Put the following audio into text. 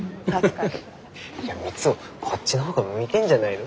いや三生こっちの方が向いてんじゃないの？